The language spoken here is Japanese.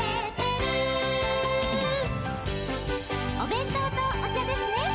「おべんとうとおちゃですね